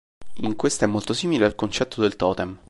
In questo è molto simile al concetto del Totem.